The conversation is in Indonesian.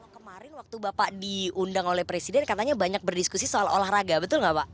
kemarin waktu bapak diundang oleh presiden katanya banyak berdiskusi soal olahraga betul nggak pak